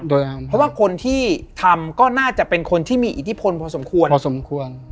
เพราะว่าคนที่ทำก็น่าจะเป็นคนที่มีอิทธิพลพอสมควรพอสมควร